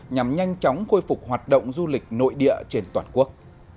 nhằm nhanh chóng khôi phục hoạt động du lịch nội địa trên toàn quốc